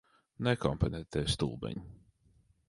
Nekompetentie stulbeņi.